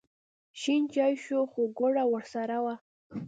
شین چای شو خو ګوړه ورسره وه.